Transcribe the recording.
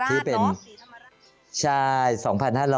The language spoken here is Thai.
นักภาษีธรรมราชเนอะ